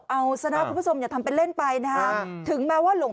เอาศนะประพฤตสมศ์นี้ทำเป็นเล่นไปนะคะถึงมาว่าหลวง